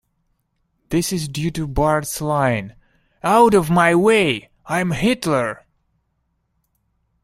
This is due to Bart's line "Out of my way, I'm Hitler".